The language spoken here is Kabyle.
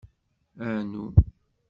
Ɛnu.